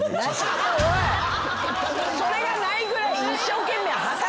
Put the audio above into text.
それがないぐらい一生懸命働いたんだ。